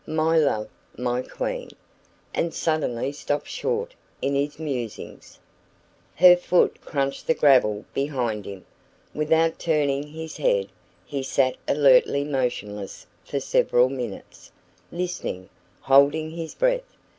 My love! My queen!" and suddenly stopped short in his musings. Her foot crunched the gravel behind him. Without turning his head, he sat alertly motionless for several minutes, listening, holding his breath.